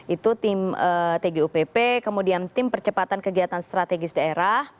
itu tim tgupp kemudian tim percepatan kegiatan strategis daerah